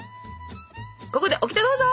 ここでオキテどうぞ。